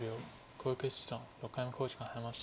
小池七段６回目の考慮時間に入りました。